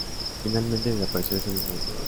Finalmente, desapareció ese mismo año.